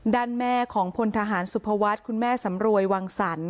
ด้านแม่ของพลทหารสุภวัฒน์คุณแม่สำรวยวังสรรค